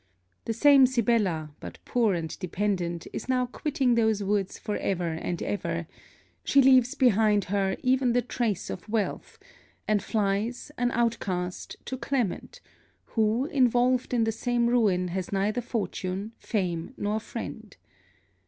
The same Sibella, but poor and dependent, is now quitting those woods for ever and ever she leaves behind her even the trace of wealth; and flies an outcast to Clement, who, involved in the same ruin, has neither fortune, fame nor friend!